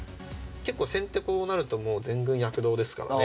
結構先手こうなるともう全軍躍動ですからね。